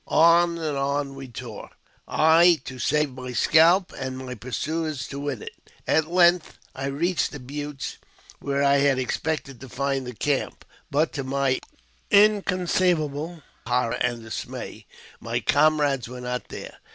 On, on we tore ; I to save my scalp, and my pursuers to win it. At length I reached the Buttes, where I had expected to find the camp, but, to my inconceivable horror and dismay, my comrades were not there.